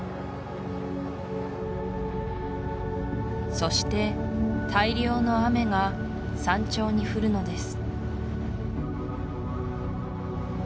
そして大量の雨が山頂に降るのです